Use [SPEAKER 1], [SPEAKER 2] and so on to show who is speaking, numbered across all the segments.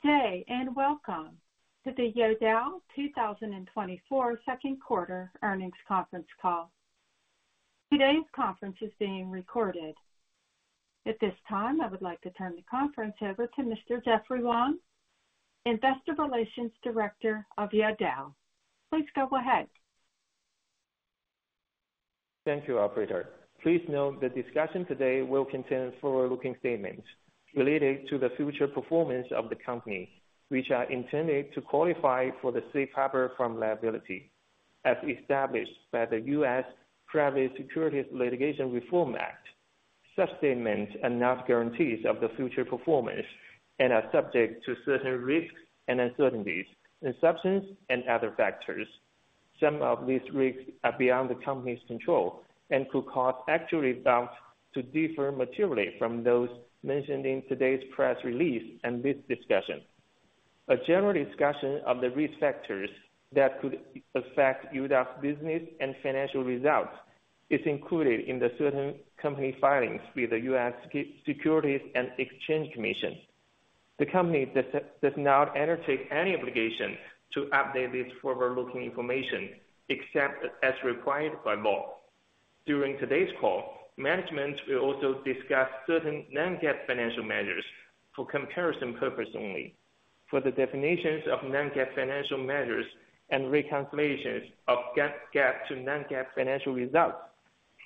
[SPEAKER 1] Good day, and welcome to the Youdao two thousand and twenty-four second quarter earnings conference call. Today's conference is being recorded. At this time, I would like to turn the conference over to Mr. Jeffrey Wang, Investor Relations Director of Youdao. Please go ahead.
[SPEAKER 2] Thank you, operator. Please note the discussion today will contain forward-looking statements related to the future performance of the company, which are intended to qualify for the safe harbor from liability as established by the U.S. Private Securities Litigation Reform Act. Such statements are not guarantees of the future performance and are subject to certain risks and uncertainties, intervening and other factors. Some of these risks are beyond the company's control and could cause actual results to differ materially from those mentioned in today's press release and this discussion. A general discussion of the risk factors that could affect Youdao's business and financial results is included in certain company filings with the U.S. Securities and Exchange Commission. The company does not undertake any obligation to update this forward-looking information, except as required by law. During today's call, management will also discuss certain non-GAAP financial measures for comparison purposes only. For the definitions of non-GAAP financial measures and reconciliations of GAAP to non-GAAP financial results,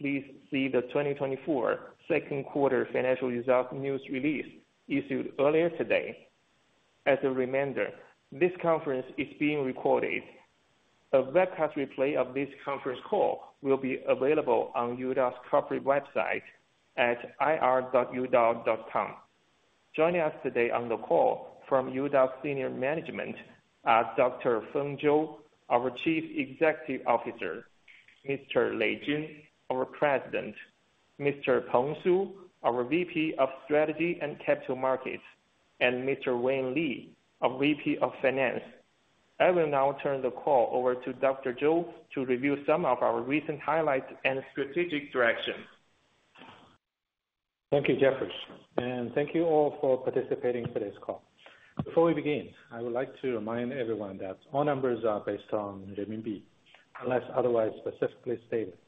[SPEAKER 2] please see the 2024 second quarter financial results news release issued earlier today. As a reminder, this conference is being recorded. A webcast replay of this conference call will be available on Youdao's corporate website at ir.youdao.com. Joining us today on the call from Youdao senior management are Dr. Feng Zhou, our Chief Executive Officer, Mr. Lei Jin, our President, Mr. Peng Su, our VP of Strategy and Capital Markets, and Mr. Wei Li, our VP of Finance. I will now turn the call over to Dr. Zhou to review some of our recent highlights and strategic direction.
[SPEAKER 3] Thank you, Jeffrey, and thank you all for participating in today's call. Before we begin, I would like to remind everyone that all numbers are based on renminbi, unless otherwise specifically stated.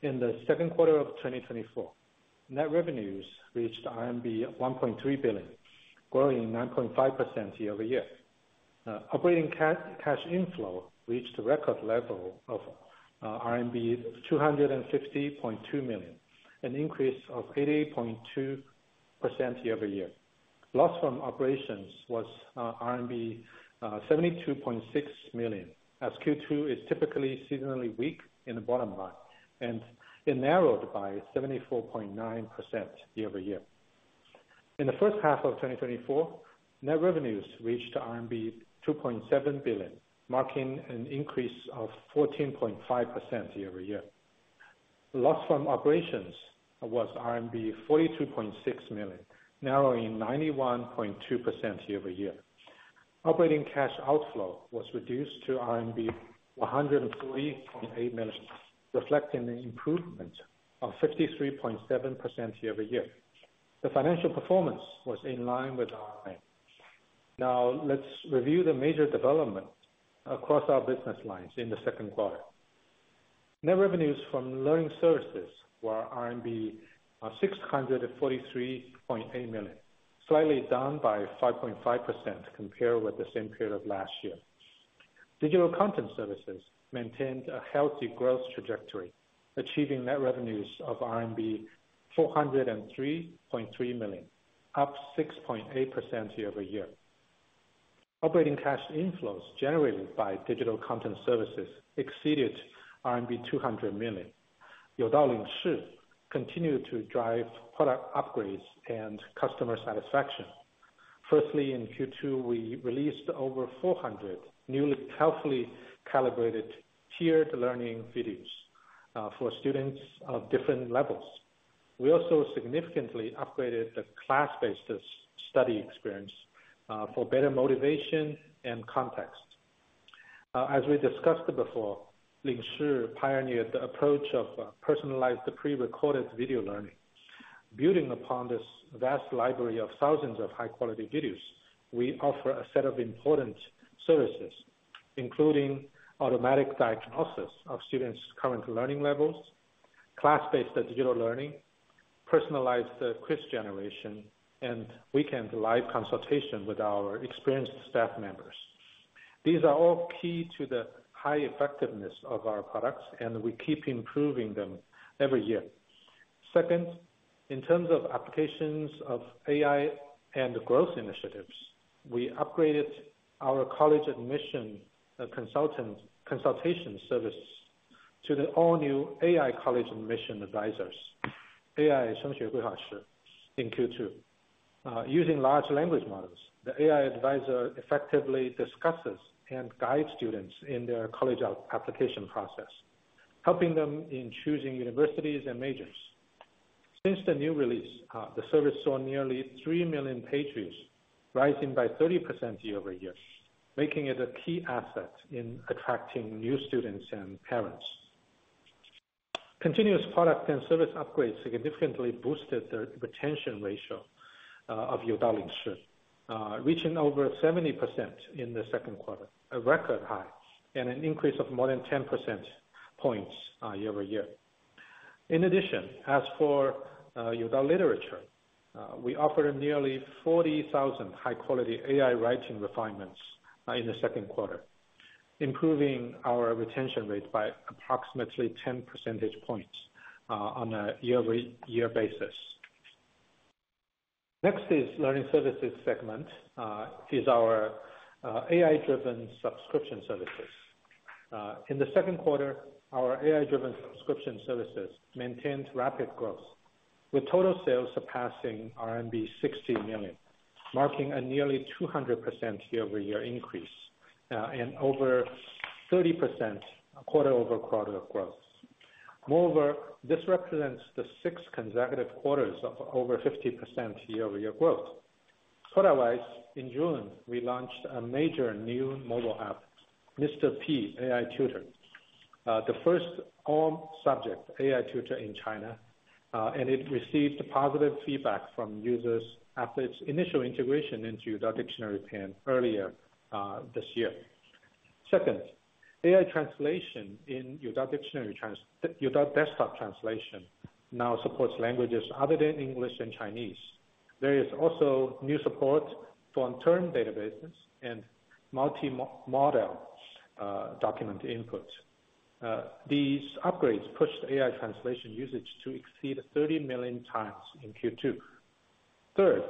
[SPEAKER 3] In the second quarter of 2024, net revenues reached RMB 1.3 billion, growing 9.5% year-over-year. Operating cash inflow reached a record level of RMB 250.2 million, an increase of 80.2% year-over-year. Loss from operations was RMB 72.6 million, as Q2 is typically seasonally weak in the bottom line, and it narrowed by 74.9% year-over-year. In the first half of 2024, net revenues reached RMB 2.7 billion, marking an increase of 14.5% year-over-year. Loss from operations was RMB 42.6million, narrowing 91.2% year-over-year. Operating cash outflow was reduced to RMB 103.8 million, reflecting an improvement of 53.7% year-over-year. The financial performance was in line with our in. Now, let's review the major developments across our business lines in the second quarter. Net revenues from learning services were RMB 643.8 million, slightly down by 5.5% compared with the same period of last year. Digital content services maintained a healthy growth trajectory, achieving net revenues of RMB 403.3 million, up 6.8% year-over-year. Operating cash inflows generated by digital content services exceeded RMB 200 million. Youdao Lingxi continued to drive product upgrades and customer satisfaction. Firstly, in Q2, we released over 400 newly carefully calibrated tiered learning videos for students of different levels. We also significantly upgraded the class-based study experience for better motivation and context. As we discussed before, Lingxi pioneered the approach of personalized pre-recorded video learning. Building upon this vast library of thousands of high quality videos, we offer a set of important services, including automatic diagnosis of students' current learning levels, class-based digital learning, personalized quiz generation, and weekend live consultation with our experienced staff members. These are all key to the high effectiveness of our products, and we keep improving them every year. Second, in terms of applications of AI and growth initiatives, we upgraded our college admission consultation service to the all-new AI college admission advisors, AI in Q2. Using large language models, the AI advisor effectively discusses and guides students in their college application process, helping them in choosing universities and majors. Since the new release, the service saw nearly three million page views, rising by 30% year-over-year, making it a key asset in attracting new students and parents. Continuous product and service upgrades significantly boosted the retention ratio of Youdao Lingxi, reaching over 70% in the second quarter, a record high, and an increase of more than 10 percentage points year-over-year. In addition, as for Youdao Literature, we offered nearly 40,000 high-quality AI writing refinements in the second quarter, improving our retention rate by approximately 10 percentage points on a year-over-year basis. Next is Learning Services segment, is our AI-driven subscription services. In the second quarter, our AI-driven subscription services maintained rapid growth, with total sales surpassing RMB 60 million, marking a nearly 200% year-over-year increase, and over 30% quarter-over-quarter growth. Moreover, this represents the sixth consecutive quarters of over 50% year-over-year growth. Product-wise, in June, we launched a major new mobile app, Mr. P AI Tutor, the first all-subject AI tutor in China, and it received positive feedback from users after its initial integration into Youdao Dictionary Pen earlier this year. Second, AI translation in Youdao Dictionary, Youdao Desktop Translation now supports languages other than English and Chinese. There is also new support for term databases and multi-model document input. These upgrades pushed AI translation usage to exceed 30 million times in Q2. Third,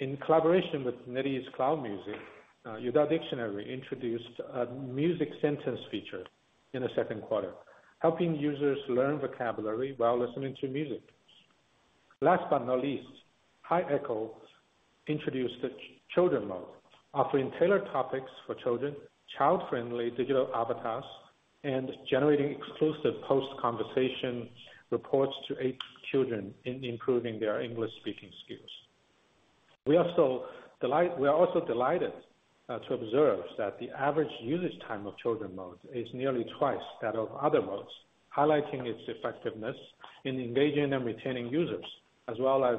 [SPEAKER 3] in collaboration with NetEase Cloud Music, Youdao Dictionary introduced a music sentence feature in the second quarter, helping users learn vocabulary while listening to music. Last but not Hi Echo introduced the children mode, offering tailored topics for children, child-friendly digital avatars, and generating exclusive post-conversation reports to aid children in improving their English speaking skills. We are also delighted to observe that the average usage time of children mode is nearly twice that of other modes, highlighting its effectiveness in engaging and retaining users, as well as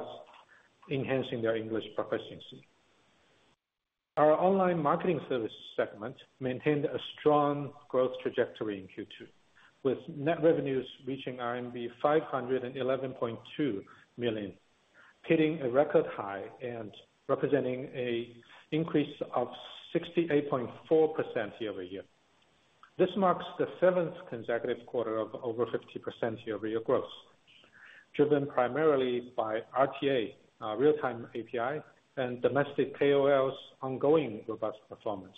[SPEAKER 3] enhancing their English proficiency. Our online marketing service segment maintained a strong growth trajectory in Q2, with net revenues reaching RMB 511.2 million, hitting a record high and representing an increase of 68.4% year-over-year. This marks the seventh consecutive quarter of over 50% year-over-year growth, driven primarily by RTA, real-time API, and domestic KOL's ongoing robust performance,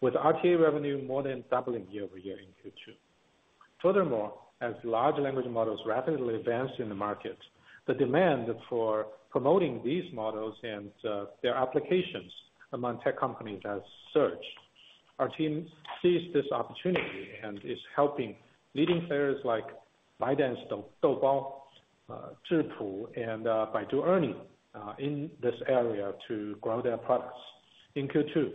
[SPEAKER 3] with RTA revenue more than doubling year-over-year in Q2. Furthermore, as large language models rapidly advance in the market, the demand for promoting these models and their applications among tech companies has surged. Our team seized this opportunity and is helping leading players like ByteDance, Douban, Zhipu, and Baidu in this area to grow their products. In Q2,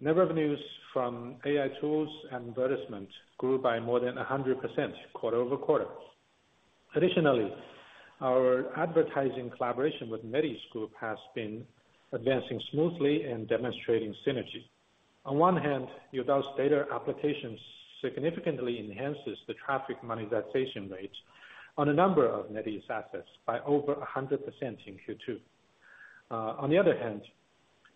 [SPEAKER 3] net revenues from AI tools and advertisement grew by more than 100% quarter over quarter. Additionally, our advertising collaboration with NetEase Group has been advancing smoothly and demonstrating synergy. On one hand, Youdao's data applications significantly enhances the traffic monetization rates on a number of NetEase assets by over 100% in Q2. On the other hand,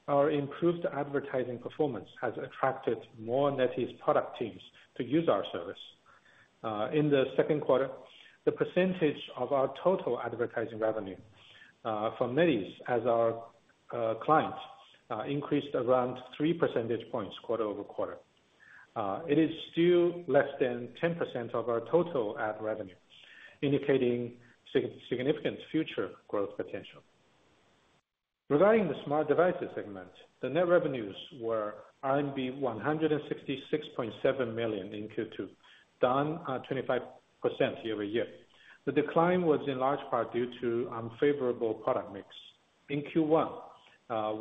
[SPEAKER 3] our improved advertising performance has attracted more NetEase product teams to use our service. In the second quarter, the percentage of our total advertising revenue from NetEase as our clients increased around three percentage points quarter over quarter. It is still less than 10% of our total ad revenue, indicating significant future growth potential. Regarding the smart devices segment, the net revenues were RMB 166.7 million in Q2, down 25% year-over-year. The decline was in large part due to unfavorable product mix. In Q1,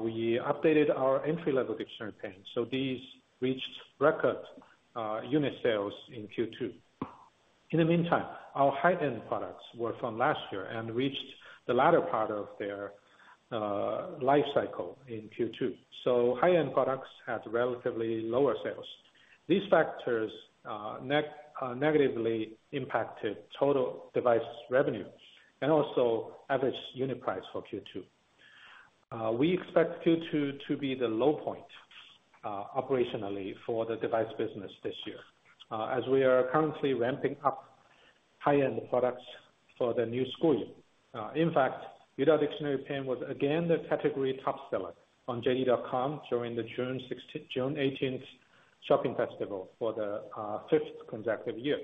[SPEAKER 3] we updated our entry-level Dictionary Pen, so these reached record unit sales in Q2. In the meantime, our high-end products were from last year and reached the latter part of their life cycle in Q2. So high-end products had relatively lower sales. These factors negatively impacted total device revenue and also average unit price for Q2. We expect Q2 to be the low point operationally for the device business this year, as we are currently ramping up high-end products for the new school year. In fact, Youdao Dictionary Pen was again the category top seller on JD.com during the June sixteen-June eighteenth shopping festival for the fifth consecutive year.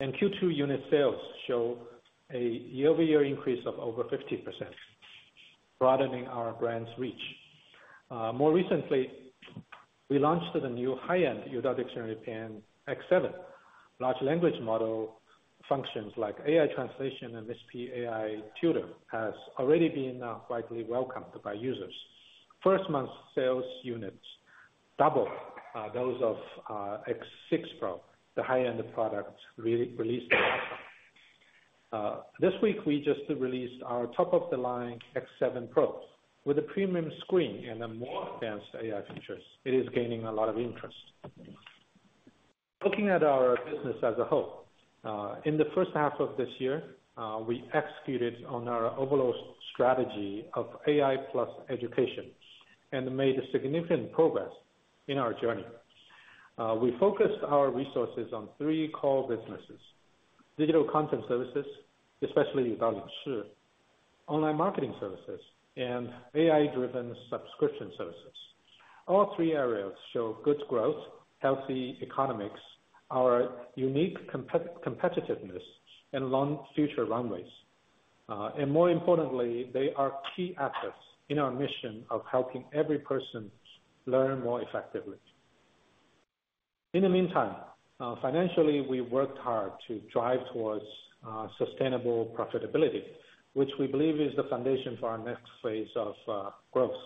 [SPEAKER 3] In Q2, unit sales show a year-over-year increase of over 50%, broadening our brand's reach. More recently, we launched the new high-end Youdao Dictionary Pen X7. Large language model functions like AI translation and Mr. P AI Tutor has already been widely welcomed by users. First month sales units double those of X6 Pro, the high-end product released last time. This week, we just released our top-of-the-line X7 Pro with a premium screen and a more advanced AI features. It is gaining a lot of interest. Looking at our business as a whole, in the first half of this year, we executed on our overall strategy of AI plus education and made a significant progress in our journey. We focused our resources on three core businesses: digital content services, online marketing services, and AI-driven subscription services. All three areas show good growth, healthy economics, our unique competitiveness, and long future runways. And more importantly, they are key assets in our mission of helping every person learn more effectively. In the meantime, financially, we worked hard to drive towards sustainable profitability, which we believe is the foundation for our next phase of growth.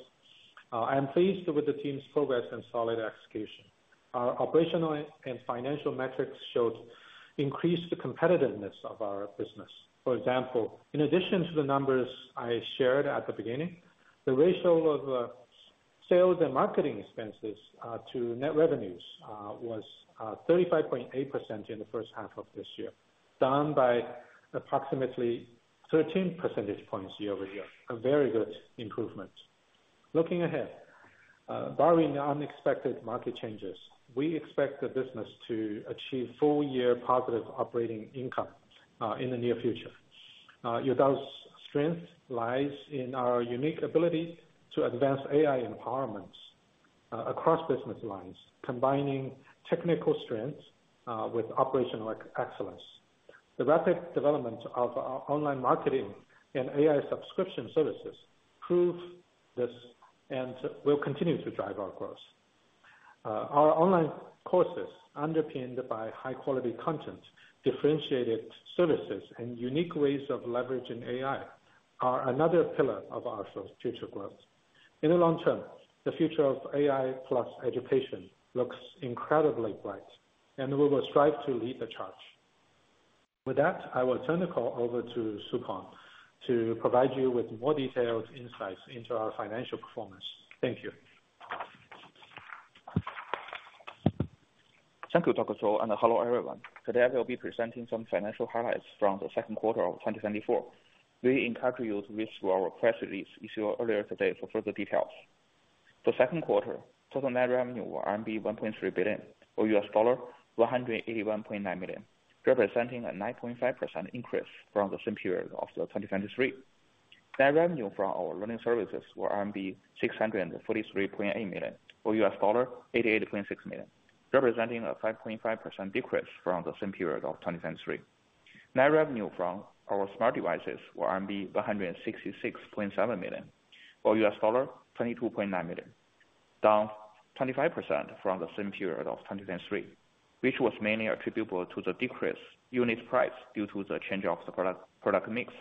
[SPEAKER 3] I am pleased with the team's progress and solid execution. Our operational and financial metrics showed increased competitiveness of our business. For example, in addition to the numbers I shared at the beginning, the ratio of sales and marketing expenses to net revenues was 35.8% in the first half of this year, down by approximately 13 percentage points year-over-year. A very good improvement. Looking ahead, barring the unexpected market changes, we expect the business to achieve full-year positive operating income in the near future. Youdao's strength lies in our unique ability to advance AI empowerments across business lines, combining technical strengths with operational excellence. The rapid development of our online marketing and AI subscription services prove this, and will continue to drive our growth. Our online courses, underpinned by high quality content, differentiated services, and unique ways of leveraging AI, are another pillar of our future growth. In the long term, the future of AI plus education looks incredibly bright, and we will strive to lead the charge. With that, I will turn the call over to Peng Su to provide you with more detailed insights into our financial performance. Thank you.
[SPEAKER 4] Thank you, Dr. Zhou, and hello, everyone. Today, I will be presenting some financial highlights from the second quarter of 2024. We encourage you to read through our press release issued earlier today for further details. The second quarter total net revenue was RMB 1.3 billion, or $181.9 million, representing a 9.5% increase from the same period of 2023. Net revenue from our learning services was 643.8 million or $88.6 million, representing a 5.5% decrease from the same period of 2023. Net revenue from our smart devices was 166.7 million or $22.9 million, down 25% from the same period of 2023, which was mainly attributable to the decreased unit price due to the change of the product mix.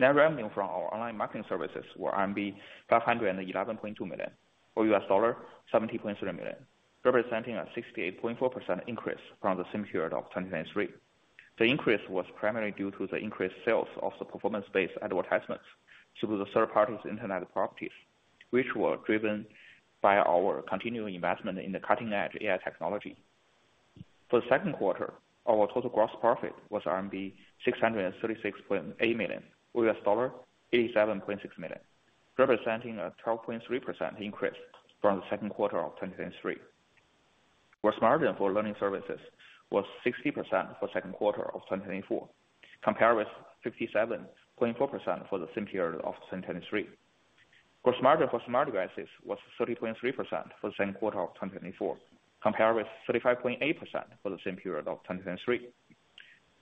[SPEAKER 4] Net revenue from our online marketing services was RMB 511.2 million, or $70.3 million, representing a 68.4% increase from the same period of 2023. The increase was primarily due to the increased sales of the performance-based advertisements through the third party's internet properties, which were driven by our continuing investment in the cutting-edge AI technology. For the second quarter, our total gross profit was RMB 636.8 million, or $87.6 million, representing a 12.3% increase from the second quarter of 2023, whereas the gross margin for learning services was 60% for the second quarter of 2024, compared with 57.4% for the same period of 2023.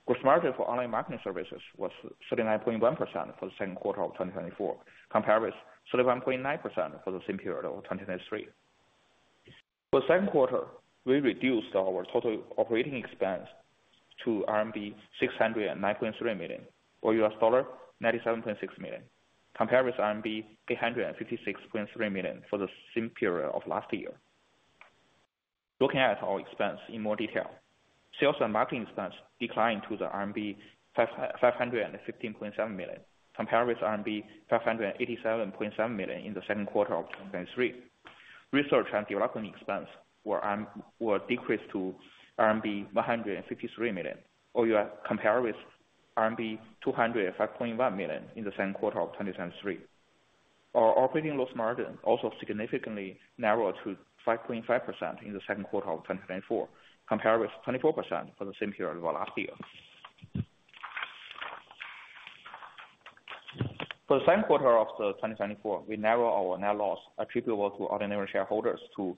[SPEAKER 4] Gross margin for smart devices was 30.3% for the same quarter of 2024, compared with 35.8% for the same period of 2023. Gross margin for online marketing services was 39.1% for the second quarter of 2024, compared with 31.9% for the same period of 2023. For the second quarter, we reduced our total operating expense to RMB 609.3 million, or $97.6 million, compared with RMB 856.3 million for the same period of last year. Looking at our expense in more detail, sales and marketing expense declined to RMB 515.7 million, compared with RMB 587.7 million in the second quarter of 2023. Research and development expense were decreased to RMB 153 million, or compared with RMB 205.1 million in the same quarter of 2023. Our operating loss margin also significantly narrowed to 5.5% in the second quarter of 2024, compared with 24% for the same period of last year. For the same quarter of 2024, we narrow our net loss attributable to ordinary shareholders to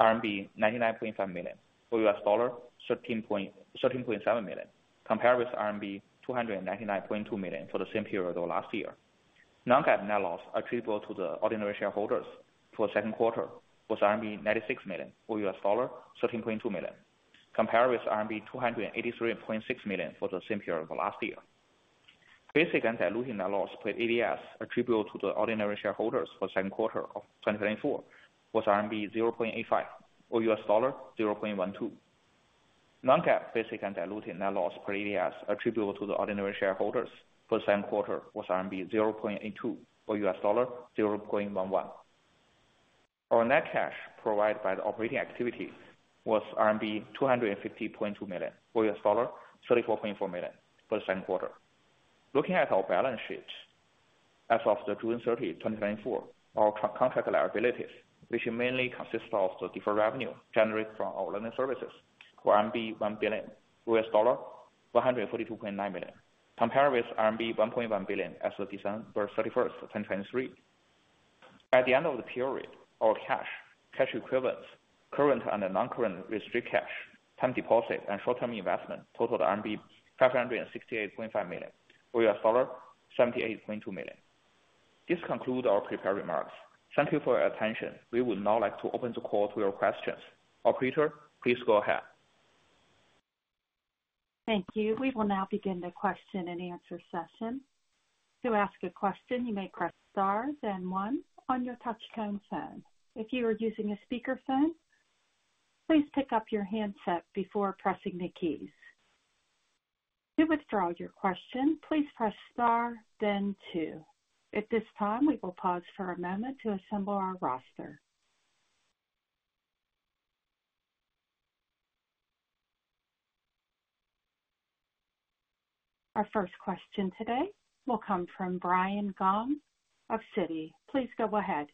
[SPEAKER 4] RMB 99.5 million, or $13.7 million, compared with RMB 299.2 million for the same period of last year. Non-GAAP net loss attributable to the ordinary shareholders for the second quarter was RMB 96 million, or $13.2 million, compared with RMB 283.6 million for the same period of last year. Basic and dilutive net loss per ADS attributable to the ordinary shareholders for the second quarter of 2024 was RMB 0.85 or $0.12. Non-GAAP basic and diluted net loss per ADS attributable to the ordinary shareholders for the same quarter was RMB 0.82 or $0.11. Our net cash provided by operating activities was RMB 250.2 million, or $34.4 million for the second quarter. Looking at our balance sheet, as of June 30, 2024, our contract liabilities, which mainly consist of the deferred revenue generated from our learning services, were RMB 1 billion, $142.9 million, compared with RMB 1.1 billion as of December 31, 2023. At the end of the period, our cash, cash equivalents, current and non-current restricted cash, time deposit, and short-term investment totaled RMB 568.5 million, or $78.2 million. This concludes our prepared remarks. Thank you for your attention. We would now like to open the call to your questions. Operator, please go ahead.
[SPEAKER 1] Thank you. We will now begin the question and answer session. To ask a question, you may press star then one on your touchtone phone. If you are using a speakerphone, please pick up your handset before pressing the keys. To withdraw your question, please press star then two. At this time, we will pause for a moment to assemble our roster. Our first question today will come from Brian Gong of Citi. Please go ahead.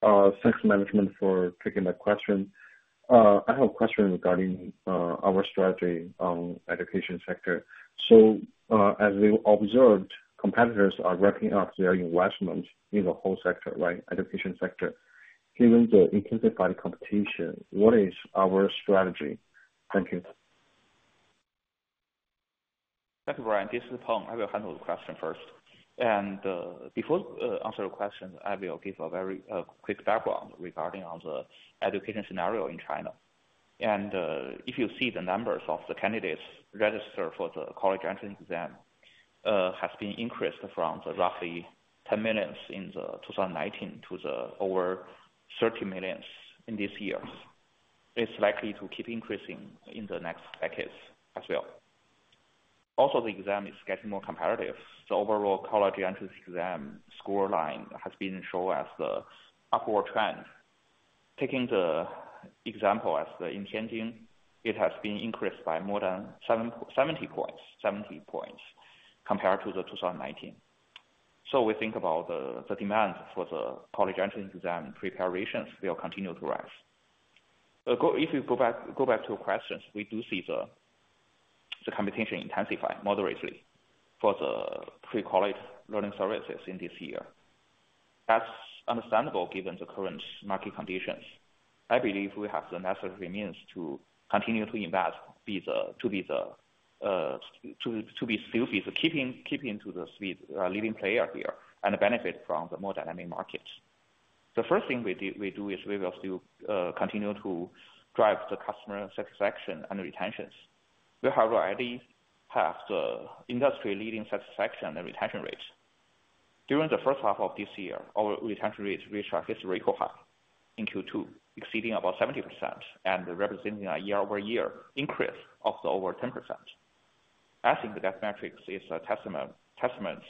[SPEAKER 5] Thanks, management, for taking that question. I have a question regarding our strategy on education sector. So, as we observed, competitors are ramping up their investments in the whole sector, right, education sector. Given the intensified competition, what is our strategy? Thank you.
[SPEAKER 4] Thank you, Brian. This is Peng. I will handle the question first. Before answer your question, I will give a very quick background regarding on the education scenario in China. If you see the numbers of the candidates registered for the college entrance exam has been increased from roughly 10 million in 2019 to over 30 million in this year. It's likely to keep increasing in the next decades as well. Also, the exam is getting more competitive. The overall college entrance exam score line has been shown as the upward trend. Taking the example as in Tianjin, it has been increased by more than seventy points compared to 2019. So we think the demand for the college entrance exam preparations will continue to rise. Go... If you go back to your questions, we do see the competition intensify moderately for the pre-college learning services in this year. That's understandable, given the current market conditions. I believe we have the necessary means to continue to invest to be still the leading player here and benefit from the more dynamic markets. The first thing we do is we will still continue to drive the customer satisfaction and retentions. We already have the industry-leading satisfaction and retention rates. During the first half of this year, our retention rates reached our historical high in Q2, exceeding about 70% and representing a year-over-year increase of over 10%. I think that metric is a testament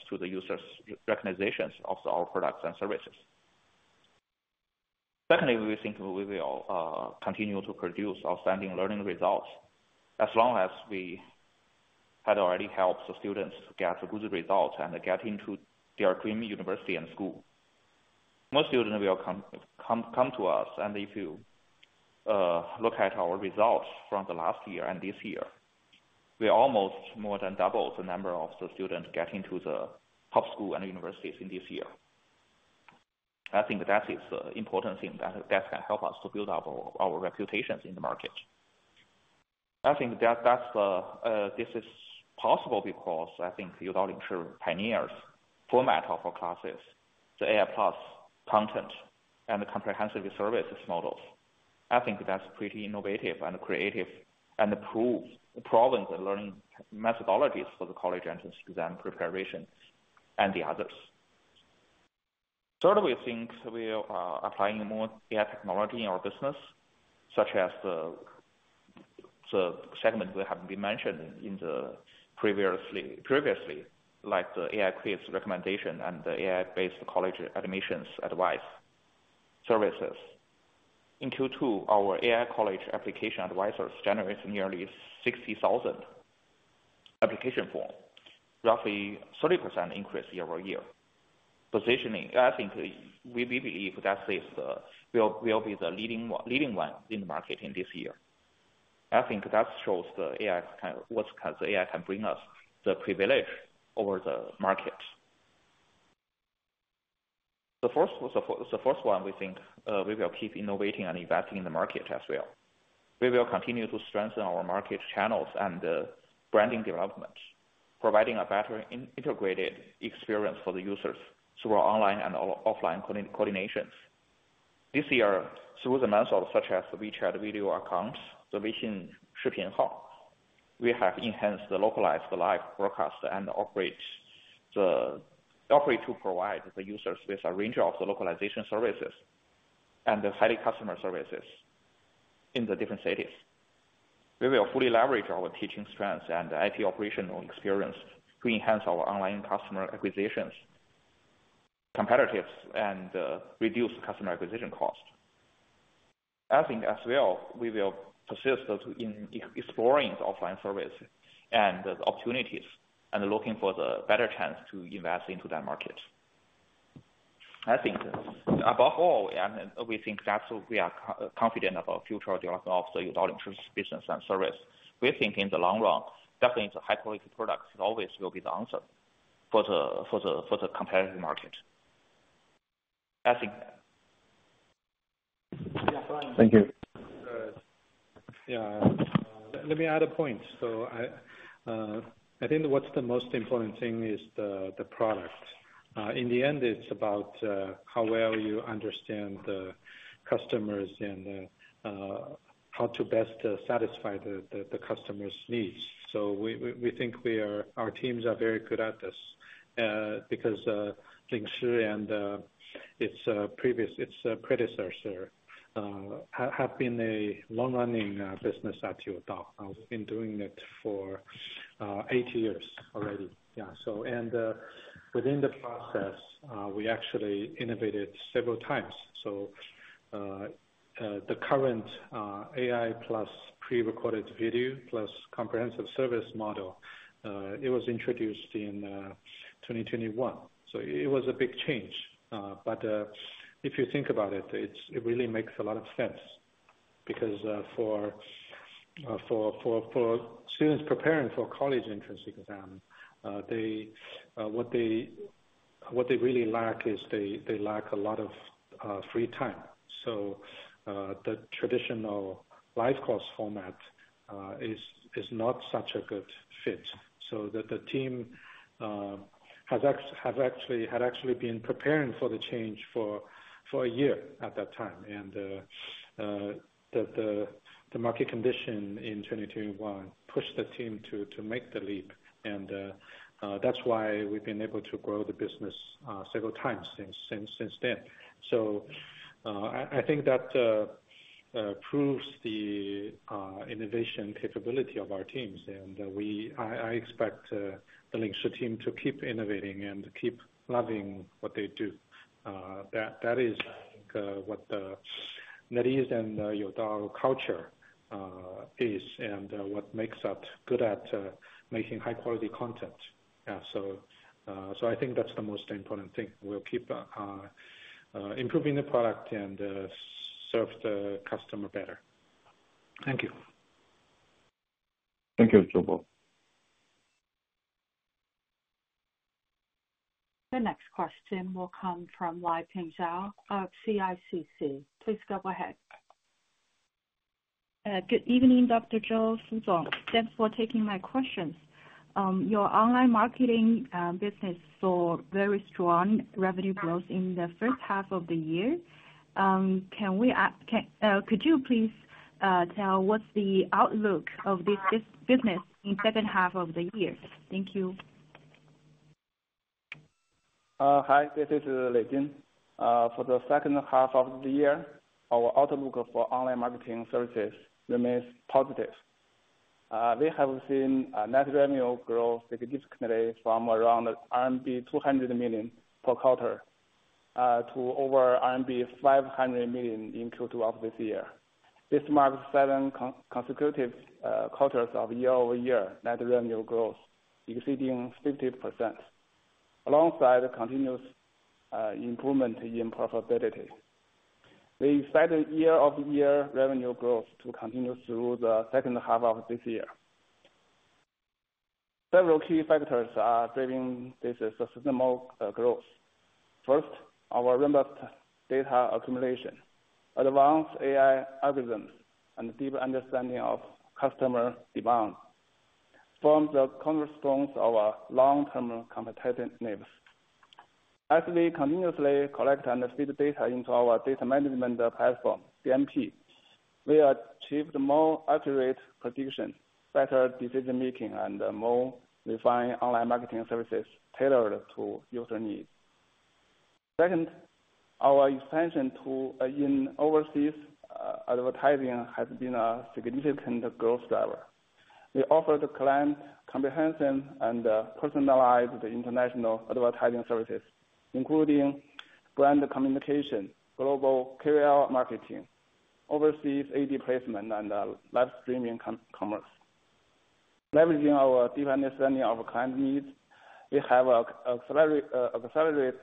[SPEAKER 4] to the users' recognitions of our products and services. Secondly, we think we will continue to produce outstanding learning results as long as we had already helped the students get good results and get into their dream university and school. Most students will come to us, and if you look at our results from the last year and this year, we almost more than double the number of the students getting to the top school and universities in this year. I think that is an important thing that can help us to build up our reputation in the market. I think that that's the this is possible because I think our innovative format of our classes, the AI plus content and the comprehensive services models. I think that's pretty innovative and creative, and improves the problems and learning methodologies for the college entrance exam preparations and the others. Third, we think we are applying more AI technology in our business, such as the segment that have been mentioned previously, like the AI quiz recommendation and the AI-based college admissions advice services. In Q2, our AI college application advisors generated nearly 60,000 application form, roughly 30% increase year-over-year. Positioning, I think we believe that is we will be the leading one in the market in this year. I think that shows what kind the AI can bring us the privilege over the market. The first one, we think we will keep innovating and investing in the market as well. We will continue to strengthen our market channels and branding development, providing a better integrated experience for the users through our online and offline coordinations. This year, through the methods such as the WeChat video accounts, the Weixin Ship Hao, we have enhanced the localized live broadcast and operations to provide the users with a range of the localization services and the highly customer services in the different cities. We will fully leverage our teaching strengths and IT operational experience to enhance our online customer acquisition, competition, and reduce customer acquisition cost. I think as well, we will persist in exploring the offline service and the opportunities, and looking for the better chance to invest into that market. I think above all, we think that we are confident about future growth of the Youdao Business and Service. We think in the long run, definitely the high quality products always will be the answer for the competitive market. I think.
[SPEAKER 5] Thank you.
[SPEAKER 3] Yeah, let me add a point. So I think what's the most important thing is the product. In the end, it's about how well you understand the customers and how to best satisfy the customer's needs. So we think we are—our teams are very good at this, because Lingxi and its previous, its predecessor have been a long-running business at Youdao, have been doing it for eight years already. Yeah, so and within the process, we actually innovated several times. So the current AI plus pre-recorded video, plus comprehensive service model, it was introduced in 2021, so it was a big change. But if you think about it, it really makes a lot of sense, because for students preparing for college entrance exam, what they really lack is they lack a lot of free time. So the traditional live course format is not such a good fit. So the team had actually been preparing for the change for a year at that time. And the market condition in 2021 pushed the team to make the leap, and that's why we've been able to grow the business several times since then. So I think that proves the innovation capability of our teams, and we... I expect the Lingxi team to keep innovating and keep loving what they do. That is what the harmony and unity culture is and what makes us good at making high-quality content. Yeah, so I think that's the most important thing. We'll keep improving the product and serve the customer better. Thank you.
[SPEAKER 2] Thank you, [you both].
[SPEAKER 1] The next question will come from Liping Zhao of CICC. Please go ahead.
[SPEAKER 6] Good evening, Dr. Zhou. Thanks for taking my questions. Your online marketing business saw very strong revenue growth in the first half of the year. Can we ask, could you please tell what's the outlook of this business in second half of the year? Thank you.
[SPEAKER 7] Hi, this is Lei Jin. For the second half of the year, our outlook for online marketing services remains positive. We have seen a net revenue growth significantly from around RMB 200 million per quarter to over RMB 500 million in Q2 of this year. This marks 7 consecutive quarters of year-over-year net revenue growth, exceeding 50%, alongside continuous improvement in profitability. We expect year-over-year revenue growth to continue through the second half of this year. Several key factors are driving this sustainable growth. First, our robust data accumulation, advanced AI algorithms, and deeper understanding of customer demand forms the cornerstones of our long-term competitive advantages. As we continuously collect and feed data into our Data Management Platform, DMP, we achieved more accurate prediction, better decision-making, and more refined online marketing services tailored to user needs. Second, our expansion to overseas advertising has been a significant growth driver. We offer to clients comprehensive and personalized international advertising services, including brand communication, global KOL marketing, overseas ad placement, and live streaming commerce. Leveraging our deep understanding of client needs, we have a very accelerated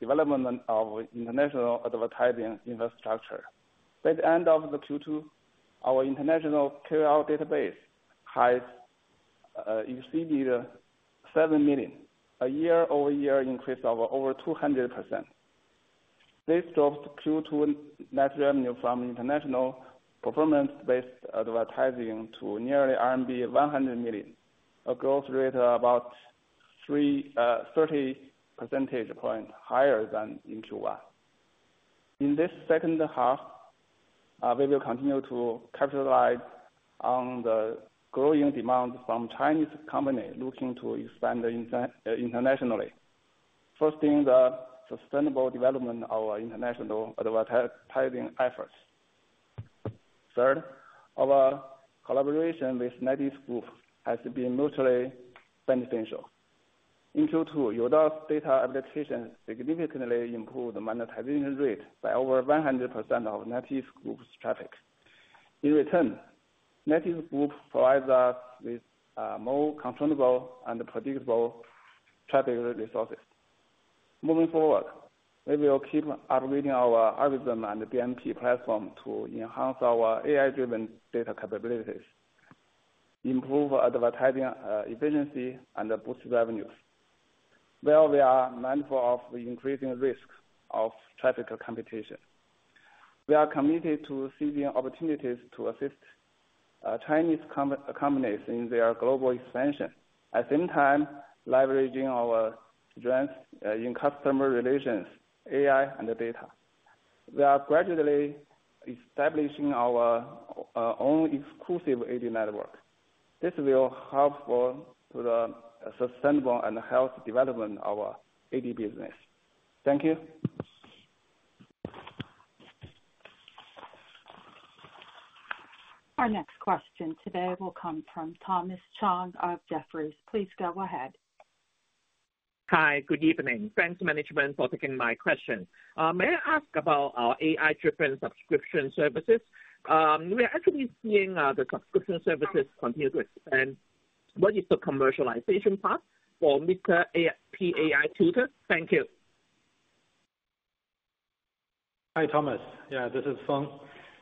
[SPEAKER 7] development of international advertising infrastructure. By the end of the Q2, our international KOL database has exceeded seven million, a year-over-year increase of over 200%. This drove Q2 net revenue from international performance-based advertising to nearly RMB 100 million, a growth rate about-... three, thirty percentage points higher than in Q1. In this second half, we will continue to capitalize on the growing demand from Chinese companies looking to expand internationally, fostering the sustainable development of our international advertising efforts. Third, our collaboration with NetEase has been mutually beneficial. In Q2, Youdao's data applications significantly improved the monetization rate by over 100% of NetEase's traffic. In return, NetEase provides us with more controllable and predictable traffic resources. Moving forward, we will keep upgrading our algorithm and the DMP platform to enhance our AI-driven data capabilities, improve advertising efficiency, and boost revenues. We are mindful of the increasing risk of traffic competition. We are committed to seizing opportunities to assist Chinese companies in their global expansion, at the same time, leveraging our strengths in customer relations, AI, and data. We are gradually establishing our own exclusive ad network. This will be helpful to the sustainable and healthy development of our ad business. Thank you.
[SPEAKER 1] Our next question today will come from Thomas Chong of Jefferies. Please go ahead.
[SPEAKER 8] Hi, good evening. Thanks, management, for taking my question. May I ask about AI-driven subscription services? We are actually seeing the subscription services continue to expand. What is the commercialization path for Mr. P AI Tutor? Thank you.
[SPEAKER 3] Hi, Thomas. Yeah, this is Feng.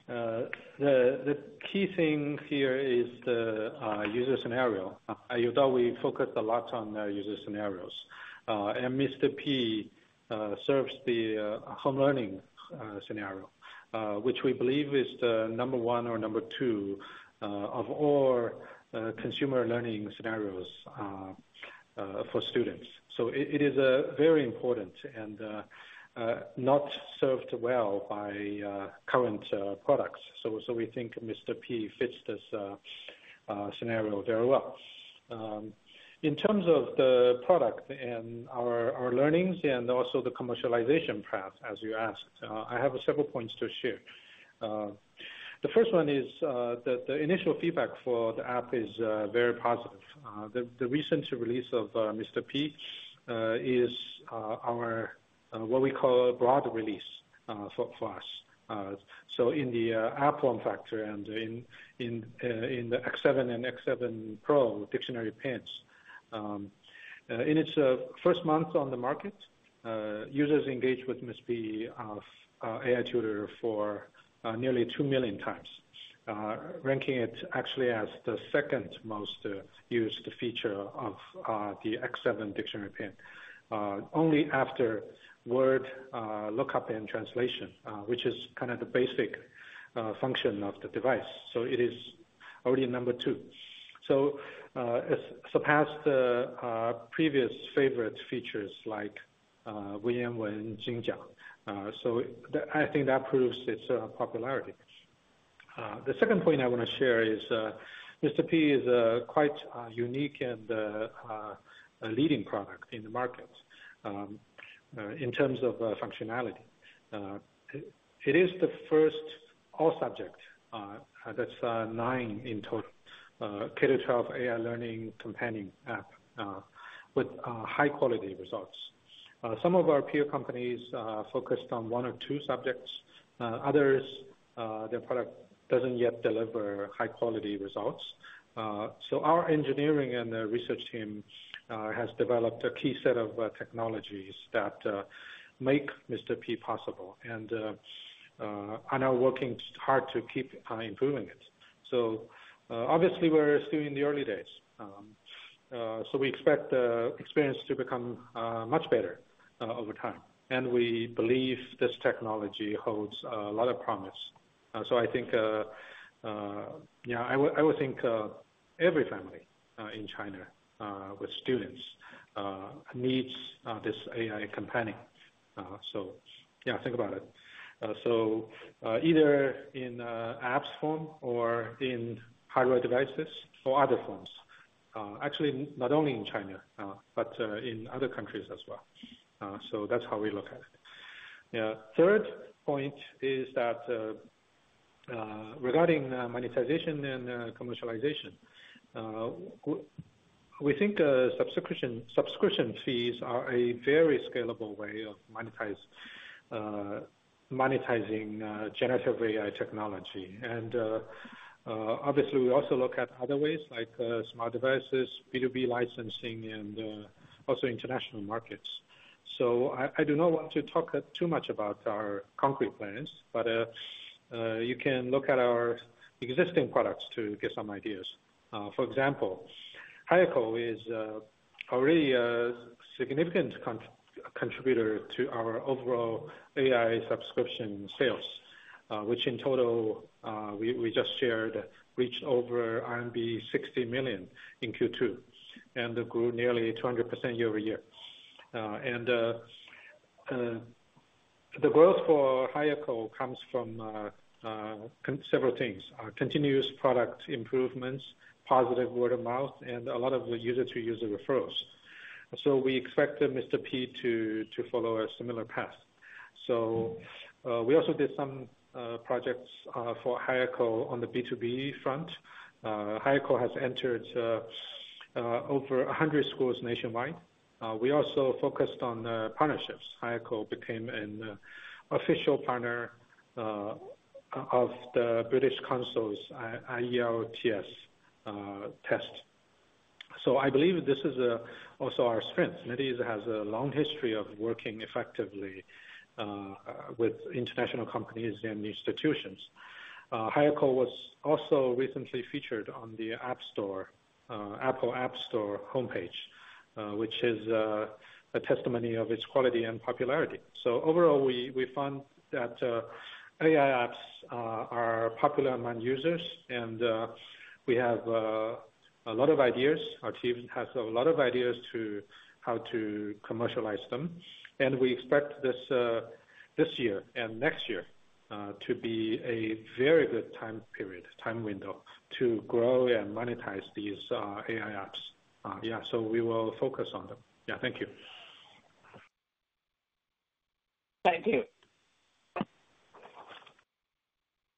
[SPEAKER 3] The key thing here is the user scenario. At Youdao, we focus a lot on the user scenarios. And Mr. P serves the home learning scenario, which we believe is the number one or number two of all consumer learning scenarios for students. So it is very important and not served well by current products. So we think Mr. P fits this scenario very well. In terms of the product and our learnings and also the commercialization path, as you asked, I have several points to share. The first one is the initial feedback for the app is very positive. The recent release of Mr. P is our what we call a broad release for us. So in the app form factor and in the X7 and X7 Pro dictionary pens. In its first month on the market, users engaged with Mr. P AI Tutor for nearly two million times, ranking it actually as the second most used feature of the X7 dictionary pen. Only after word lookup and translation, which is kind of the basic function of the device. So it is already number two. So it's surpassed the previous favorite features like Waiyan Wen Jingjiang. So I think that proves its popularity. The second point I want to share is Mr. Mr. P is quite unique and a leading product in the market in terms of functionality. It is the first all-subject that's nine in total K-12 AI learning companion app with high-quality results. Some of our peer companies focused on one or two subjects. Others, their product doesn't yet deliver high-quality results. So our engineering and the research team has developed a key set of technologies that make Mr. P possible and are now working hard to keep on improving it. So obviously, we're still in the early days. So we expect the experience to become much better over time, and we believe this technology holds a lot of promise. So I think, yeah, I would think every family in China with students needs this AI companion. So yeah, think about it. So either in apps form or in hardware devices or other forms. Actually, not only in China, but in other countries as well. So that's how we look at it. Yeah. Third point is that regarding monetization and commercialization, we think subscription fees are a very scalable way of monetizing generative AI technology. And obviously, we also look at other ways like smart devices, B2B licensing and also international markets. So I do not want to talk too much about our concrete plans, but you can look at our existing products to get some ideas. For Hi Echo is already a significant contributor to our overall AI subscription sales, which in total we just shared, reached over RMB 60 million in Q2, and it grew nearly 200% year-over-year. The growth Hi Echo comes from several things. Our continuous product improvements, positive word of mouth, and a lot of user-to-user referrals. So we expect Mr. P to follow a similar path. So we also did some projects Hi Echo on the B2B Hi Echo has entered over 100 schools nationwide. We also focused on partnerships. Hi Echo became an official partner of the British Council's IELTS test. So I believe this is also our strength. NetEase has a long history of working effectively with international companies and Hi Echo was also recently featured on the App Store, Apple App Store homepage, which is a testimony of its quality and popularity. So overall, we find that AI apps are popular among users, and we have a lot of ideas. Our team has a lot of ideas to how to commercialize them, and we expect this year and next year to be a very good time period, time window, to grow and monetize these AI apps. Yeah, so we will focus on them. Yeah, thank you.
[SPEAKER 8] Thank you.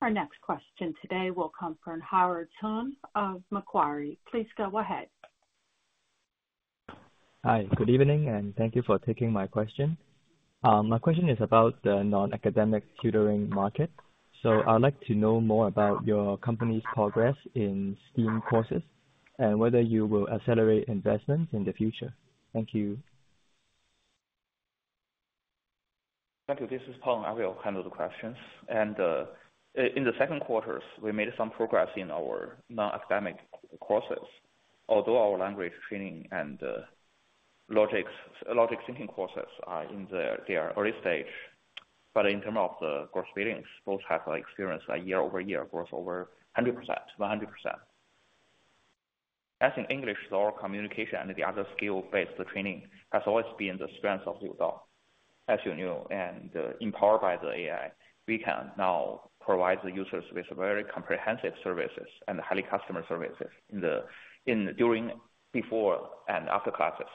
[SPEAKER 1] Our next question today will come from Howard Tung of Macquarie. Please go ahead.
[SPEAKER 9] Hi, good evening, and thank you for taking my question. My question is about the non-academic tutoring market. So I'd like to know more about your company's progress in STEAM courses, and whether you will accelerate investments in the future. Thank you.
[SPEAKER 4] Thank you. This is Peng Su. I will handle the questions. In the second quarter, we made some progress in our non-academic courses, although our language training and logic thinking courses are in their early stage. But in terms of the course billings, both have experienced a year-over-year growth over 100%. As for English oral communication and the other skill-based training has always been the strength of Youdao, as you know. Empowered by the AI, we can now provide the users with very comprehensive services and highly customized services in the during, before, and after classes.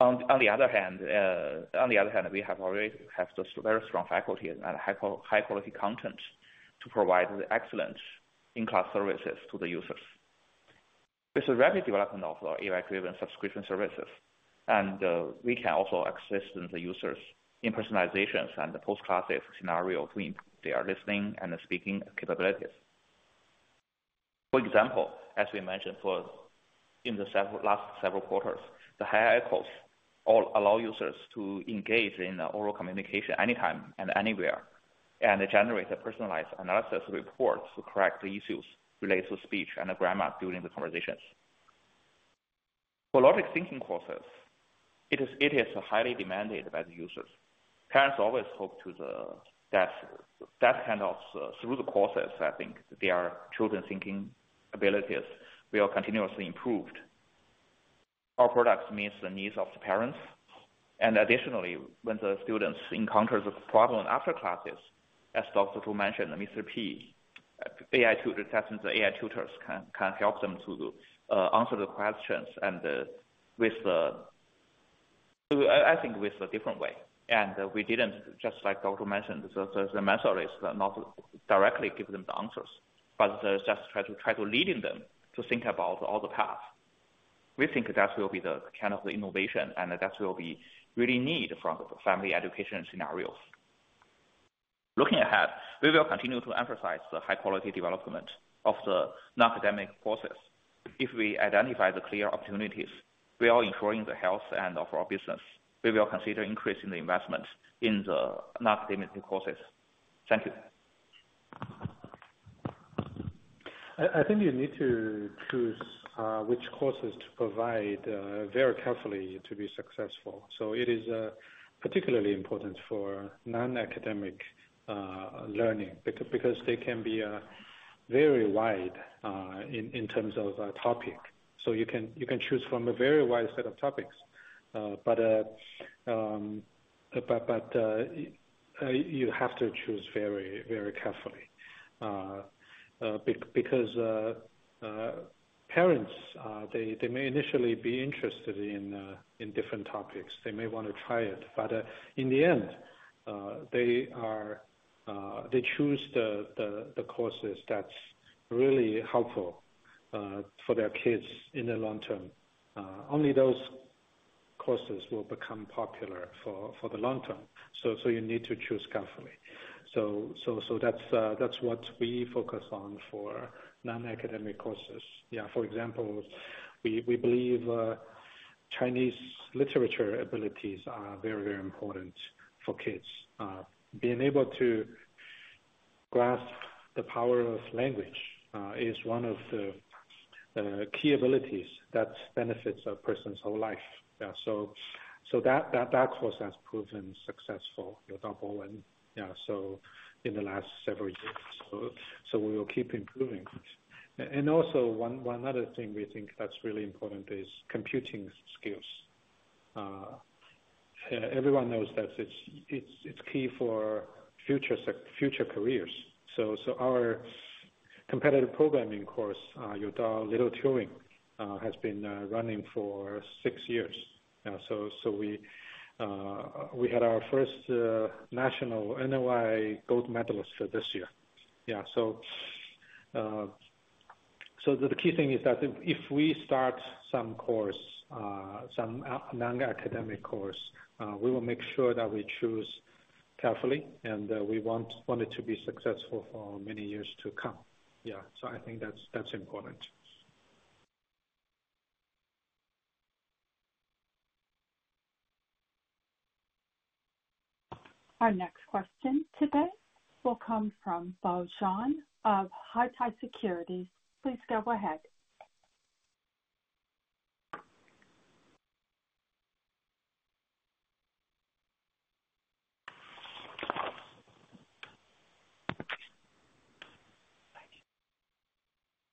[SPEAKER 4] On the other hand, we already have this very strong faculty and high quality content to provide excellent in-class services to the users. There's a rapid development of our AI-driven subscription services, and we can also assist the users in personalizations and the post-classes scenario to improve their listening and speaking capabilities. For example, as we mentioned in the last several quarters, Hi Echo app allows users to engage in oral communication anytime and anywhere, and generate personalized analysis reports to correct the issues related to speech and grammar during the conversations. For logic thinking courses, it is highly demanded by the users. Parents always hope that through the courses, I think, their children's thinking abilities will continuously improved. Our products meets the needs of the parents, and additionally, when the students encounters a problem after classes, as Dr. Zhou mentioned, Mr. P AI Tutor assistants or AI tutors can help them to answer the questions and with... I think with a different way, and we didn't, just like Dr. Zhou mentioned, the method is not directly give them the answers, but just try to leading them to think about all the path. We think that will be the kind of innovation, and that will be really need from family education scenarios. Looking ahead, we will continue to emphasize the high quality development of the non-academic courses. If we identify the clear opportunities, we are ensuring the health and of our business. We will consider increasing the investment in the non-academic courses. Thank you.
[SPEAKER 3] I think you need to choose which courses to provide very carefully to be successful. So it is particularly important for non-academic learning, because they can be very wide in terms of topic. So you can choose from a very wide set of topics. But you have to choose very, very carefully. Because parents they may initially be interested in different topics. They may want to try it, but in the end they are they choose the courses that's really helpful for their kids in the long term. Only those courses will become popular for the long term. So you need to choose carefully. So that's what we focus on for non-academic courses. Yeah, for example, we believe Chinese literature abilities are very, very important for kids. Being able to grasp the power of language is one of the key abilities that benefits a person's whole life. Yeah, so that course has proven successful, yeah, so in the last several years. We will keep improving. And also one other thing we think that's really important is computing skills. Everyone knows that it's key for future careers. Our competitive programming course has been running for six years now. We had our first national NOI gold medalist for this year. Yeah, so the key thing is that if we start some academic course, we will make sure that we choose carefully, and we want it to be successful for many years to come. Yeah, so I think that's important.
[SPEAKER 1] Our next question today will come from Bo Zhang of Haitong Securities. Please go ahead.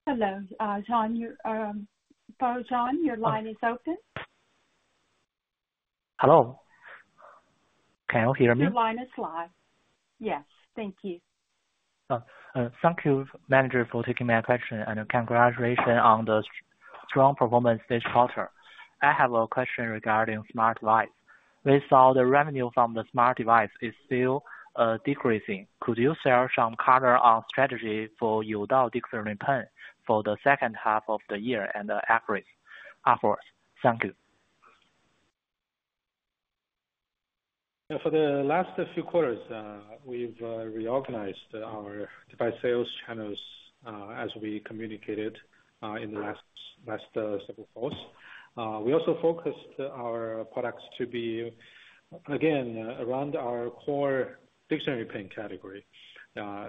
[SPEAKER 1] Hello, Bo Zhang, your line is open.
[SPEAKER 10] Hello. Can you hear me?
[SPEAKER 1] Your line is live. Yes, thank you.
[SPEAKER 10] Thank you, operator, for taking my question, and congratulations on the strong performance this quarter. I have a question regarding smart device. We saw the revenue from the smart device is still decreasing. Could you share some color on strategy for your dictionary pen for the second half of the year and the average upwards? Thank you.
[SPEAKER 3] For the last few quarters, we've reorganized our device sales channels, as we communicated in the last several quarters. We also focused our products to be, again, around our core dictionary pen category.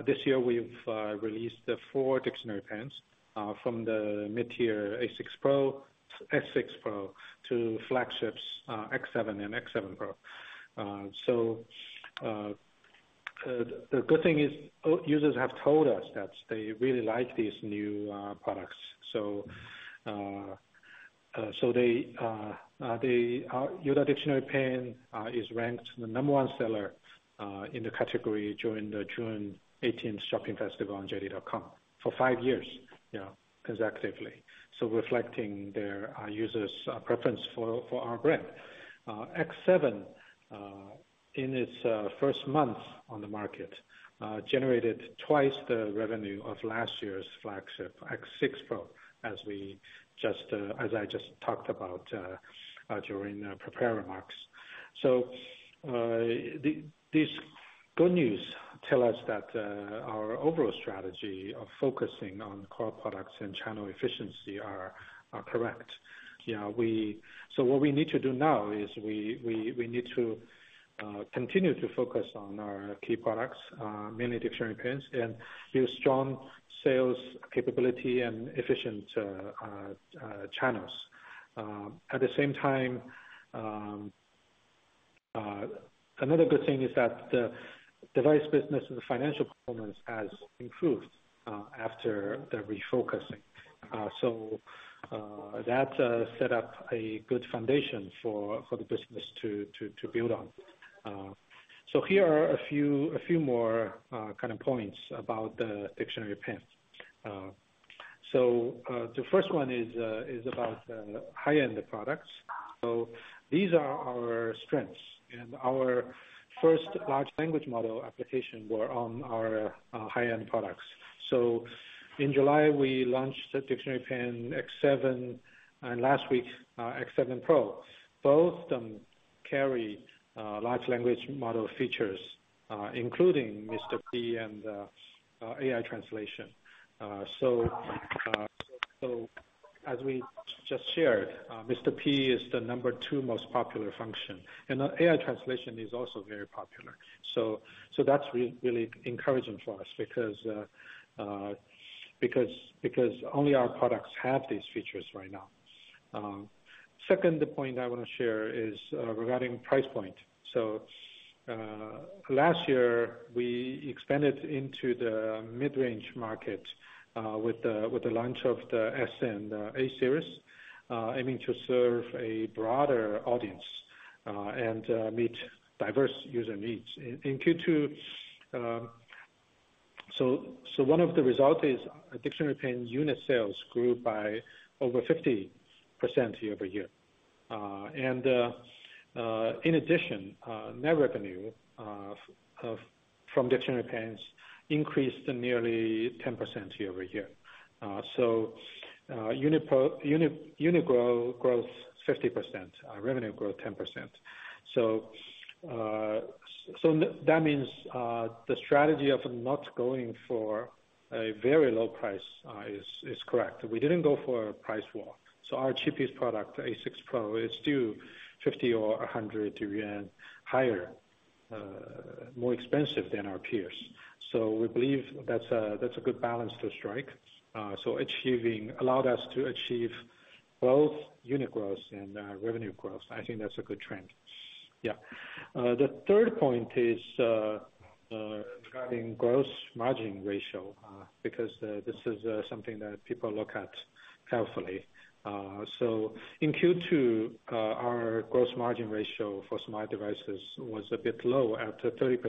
[SPEAKER 3] This year we've released four dictionary pens, from the mid-tier A6 Pro, X6 Pro, to flagships X7 and X7 Pro. So, the good thing is, users have told us that they really like these new products. So, they are. Youdao Dictionary Pen is ranked the number one seller in the category during the June eighteenth shopping festival on JD.com for five years, you know, consecutively. So reflecting their users' preference for our brand. X7, in its first month on the market, generated twice the revenue of last year's flagship, X6 Pro, as I just talked about, during the prepared remarks. These good news tell us that our overall strategy of focusing on core products and channel efficiency are correct. You know, so what we need to do now is we need to continue to focus on our key products, mainly dictionary pens, and build strong sales capability and efficient channels. At the same time, another good thing is that the device business and the financial performance has improved after the refocusing. So, that set up a good foundation for the business to build on. So here are a few, a few more kind of points about the dictionary pens. The first one is about high-end products. These are our strengths, and our first large language model application were on our high-end products. In July, we launched the dictionary pen X7, and last week, X7 Pro. Both of them carry large language model features, including Mr. P and AI translation. As we just shared, Mr. P is the number two most popular function, and AI translation is also very popular. That's really encouraging for us because only our products have these features right now. Second point I want to share is regarding price point. So, last year, we expanded into the mid-range market, with the launch of the X and A series, aiming to serve a broader audience, and meet diverse user needs. In Q2, one of the results is dictionary pen unit sales grew by over 50% year-over-year. And, in addition, net revenue from dictionary pens increased nearly 10% year-over-year. So, unit growth 50%, revenue growth 10%. So that means the strategy of not going for a very low price is correct. We didn't go for a price war, so our cheapest product, A6 Pro, is still 50 or 100 higher, more expensive than our peers. So we believe that's a good balance to strike. So achieving allowed us to achieve both unit growth and revenue growth. I think that's a good trend. Yeah. The third point is regarding gross margin ratio, because this is something that people look at carefully. So in Q2 our gross margin ratio for smart devices was a bit low at 30%.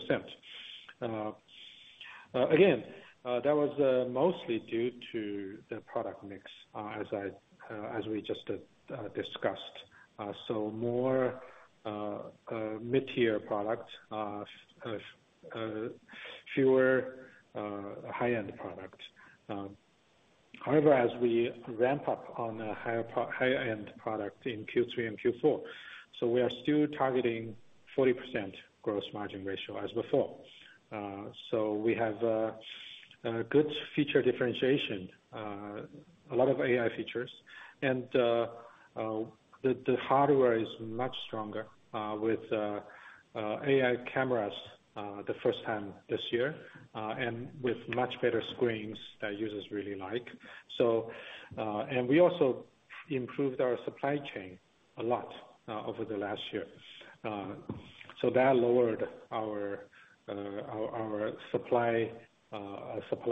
[SPEAKER 3] Again, that was mostly due to the product mix, as we just discussed. So more mid-tier products, fewer high-end products. However, as we ramp up on the higher-end product in Q3 and Q4, so we are still targeting 40% gross margin ratio as before. So we have a good feature differentiation, a lot of AI features, and the hardware is much stronger, with AI cameras, the first time this year, and with much better screens that users really like. So and we also improved our supply chain a lot over the last year. So that lowered our supply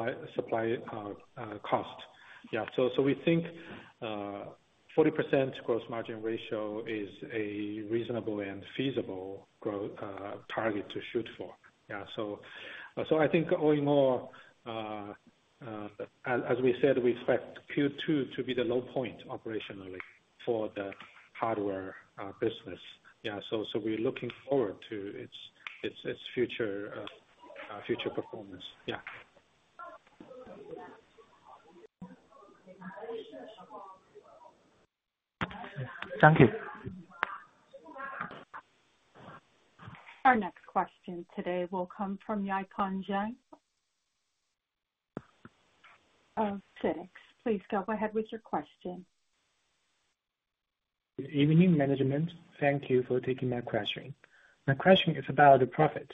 [SPEAKER 3] cost. Yeah, so we think 40% gross margin ratio is a reasonable and feasible growth target to shoot for. Yeah, so I think overall, as we said, we expect Q2 to be the low point operationally for the hardware business. Yeah, so we're looking forward to its future performance. Yeah.
[SPEAKER 10] Thank you.
[SPEAKER 1] Our next question today will come from Yifan Zhang of CITIC Securities. Please go ahead with your question.
[SPEAKER 11] Good evening, management. Thank you for taking my question. My question is about the profits.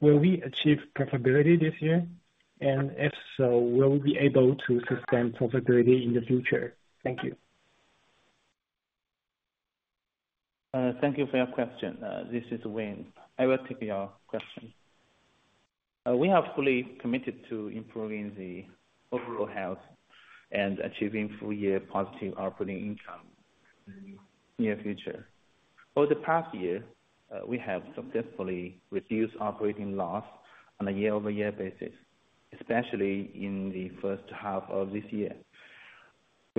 [SPEAKER 11] Will we achieve profitability this year? And if so, will we be able to sustain profitability in the future? Thank you.
[SPEAKER 12] Thank you for your question. This is Wayne. I will take your question. We are fully committed to improving the overall health and achieving full-year positive operating income in the near future. Over the past year, we have successfully reduced operating loss on a year-over-year basis, especially in the first half of this year,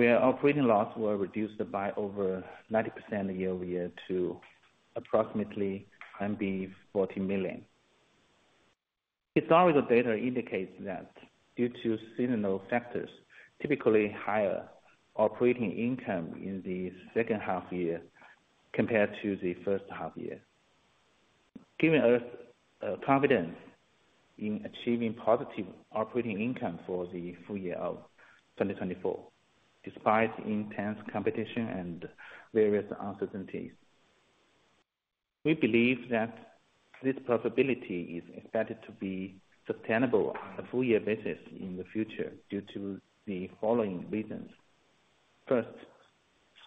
[SPEAKER 12] where operating losses were reduced by over 90% year-over-year to approximately 40 million. Historical data indicates that due to seasonal factors, typically higher operating income in the second half year compared to the first half year, giving us confidence in achieving positive operating income for the full year of 2024, despite intense competition and various uncertainties. We believe that this profitability is expected to be sustainable on a full year basis in the future due to the following reasons. First,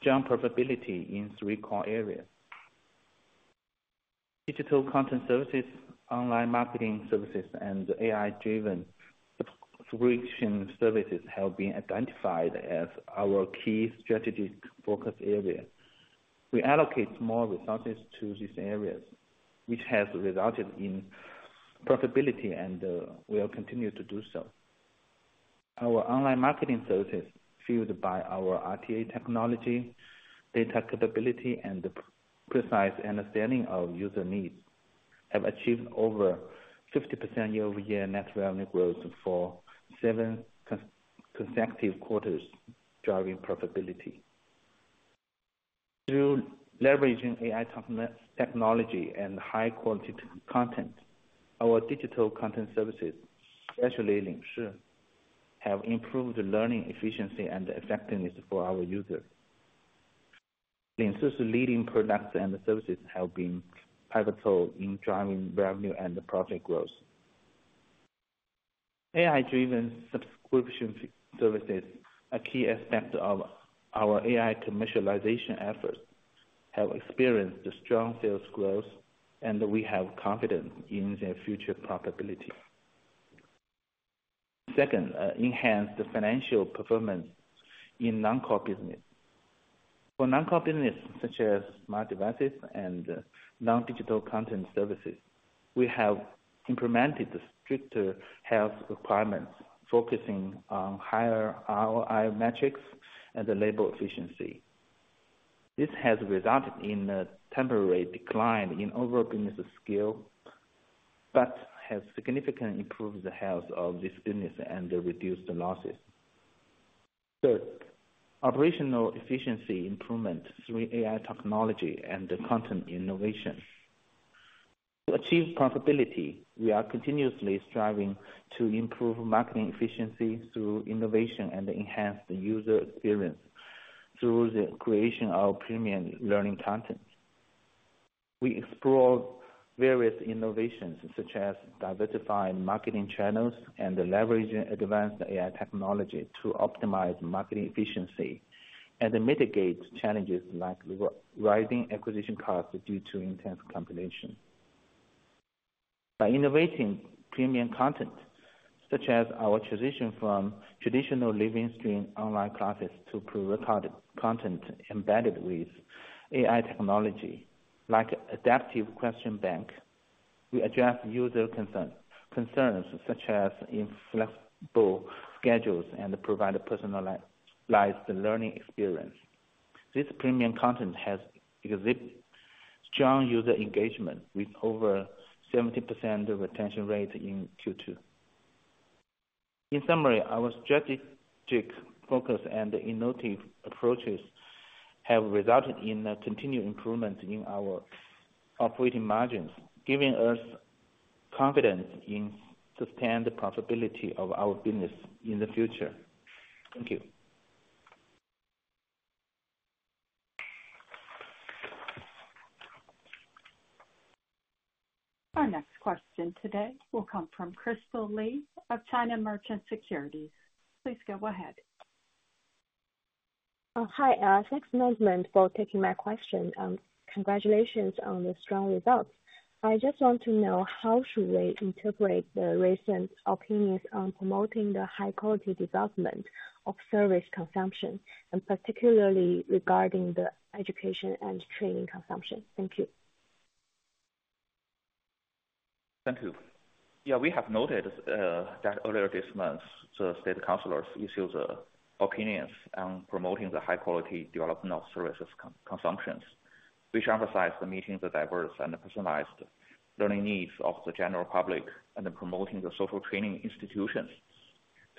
[SPEAKER 12] strong profitability in three core areas. Digital content services, online marketing services, and AI-driven subscription services have been identified as our key strategic focus area. We allocate more resources to these areas, which has resulted in profitability, and we will continue to do so. Our online marketing services, fueled by our RTA technology, data capability, and precise understanding of user needs, have achieved over 50% year-over-year net revenue growth for seven consecutive quarters, driving profitability. Through leveraging AI technology and high quality content, our digital content services, especially Lingxi, have improved learning efficiency and effectiveness for our users. Lingxi's leading products and services have been pivotal in driving revenue and profit growth. AI-driven subscription services, a key aspect of our AI commercialization efforts, have experienced strong sales growth, and we have confidence in their future profitability. Second, enhance the financial performance in non-core business. For non-core business, such as smart devices and non-digital content services, we have implemented the stricter health requirements, focusing on higher ROI metrics and labor efficiency. This has resulted in a temporary decline in overall business scale, but has significantly improved the health of this business and reduced the losses. Third, operational efficiency improvement through AI technology and content innovation. To achieve profitability, we are continuously striving to improve marketing efficiency through innovation and enhance the user experience through the creation of premium learning content. We explore various innovations, such as diversifying marketing channels and leveraging advanced AI technology to optimize marketing efficiency, and to mitigate challenges like rising acquisition costs due to intense competition. By innovating premium content, such as our transition from traditional live stream online classes to pre-recorded content embedded with AI technology, like adaptive question bank, we address user concerns such as inflexible schedules, and provide a personalized learning experience. This premium content has exhibited strong user engagement, with over 70% retention rate in Q2. In summary, our strategic focus and innovative approaches have resulted in a continued improvement in our operating margins, giving us confidence in sustained profitability of our business in the future. Thank you.
[SPEAKER 1] Our next question today will come from Crystal Li of China Merchants Securities. Please go ahead.
[SPEAKER 13] Thanks, management, for taking my question, and congratulations on the strong results. I just want to know, how should we interpret the recent opinions on promoting the high quality development of service consumption, and particularly regarding the education and training consumption? Thank you.
[SPEAKER 4] Thank you. Yeah, we have noted that earlier this month, the State Council issued the opinions on promoting the high-quality development of service consumption, which emphasize meeting the diverse and personalized learning needs of the general public, and promoting the social training institutions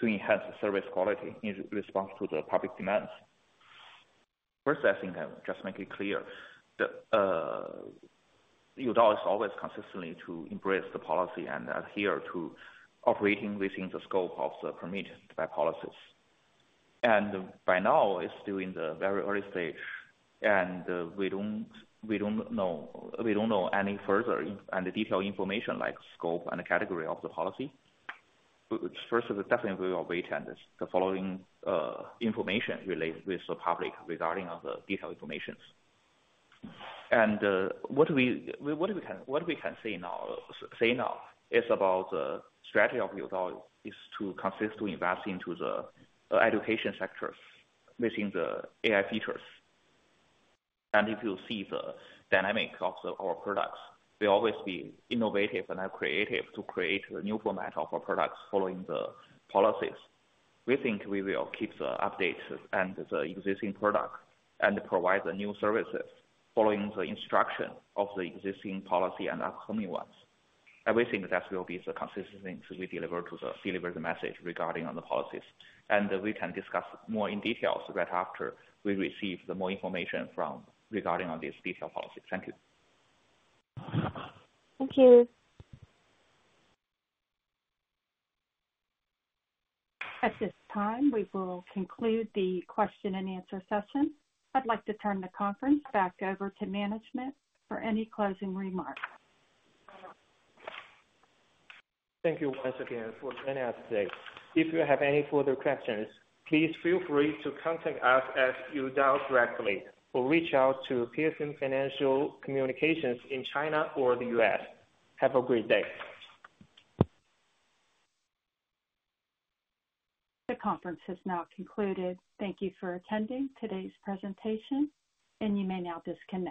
[SPEAKER 4] to enhance service quality in response to the public demands. First, I think I'll just make it clear that Youdao is always consistently to embrace the policy and adhere to operating within the scope of the permission by policies. By now, it's still in the very early stage, and we don't know any further information and the detailed information like scope and the category of the policy. But first, definitely, we will wait for the following information released to the public regarding the detailed information. What we can say now is about the strategy of Youdao is to consistently invest into the education sectors within the AI features. If you see the dynamic of our products, they always be innovative and creative to create a new format of our products following the policies. We think we will keep the updates and the existing product, and provide the new services following the instruction of the existing policy and upcoming ones. We think that will be the consistency to be delivered to deliver the message regarding on the policies. We can discuss more in details right after we receive the more information regarding on this detailed policy. Thank you.
[SPEAKER 13] Thank you.
[SPEAKER 1] At this time, we will conclude the question and answer session. I'd like to turn the conference back over to management for any closing remarks.
[SPEAKER 12] Thank you once again for joining us today. If you have any further questions, please feel free to contact us at Youdao directly, or reach out to The Piacente Group in China or the US. Have a great day.
[SPEAKER 1] The conference has now concluded. Thank you for attending today's presentation, and you may now disconnect.